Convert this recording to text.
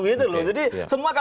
jadi semua kalau dihentikan